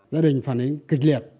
gia đình phản ứng kịch liệt